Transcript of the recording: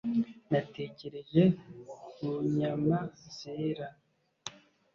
Natekereje ku nyama zera